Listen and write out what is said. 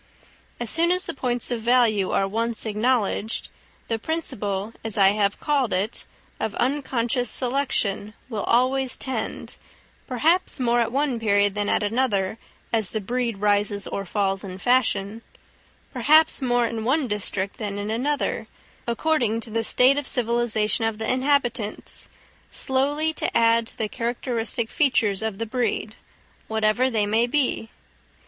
As soon as the points of value are once acknowledged, the principle, as I have called it, of unconscious selection will always tend—perhaps more at one period than at another, as the breed rises or falls in fashion—perhaps more in one district than in another, according to the state of civilisation of the inhabitants—slowly to add to the characteristic features of the breed, whatever they may be.